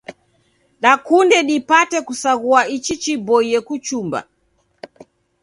Dakunde dipate kusaghua ichi chiboie kuchumba.